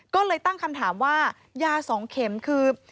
ก็เลยตั้งคำถามว่ายา๒เข็มคือ